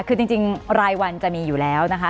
คือจริงรายวันจะมีอยู่แล้วนะคะ